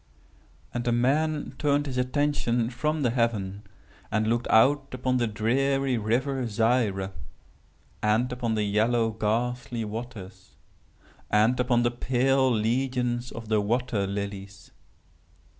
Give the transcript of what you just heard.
"And the man turned his attention from the heaven, and looked out upon the dreary river Zaire, and upon the yellow ghastly waters, and upon the pale legions of the water lilies.